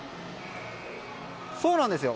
そうなんですよ。